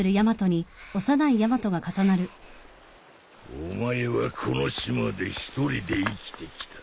お前はこの島で一人で生きてきた。